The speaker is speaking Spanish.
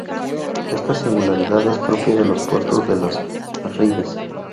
Esta singularidad es propia de los puertos de Las Arribes.